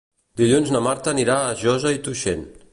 Dilluns na Marta anirà a Josa i Tuixén.